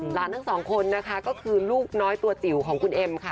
หลานทั้งสองคนนะคะก็คือลูกน้อยตัวจิ๋วของคุณเอ็มค่ะ